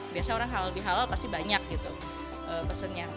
biasanya orang halal bihalal pasti banyak gitu pesennya